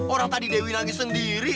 orang tadi dewi nangis sendiri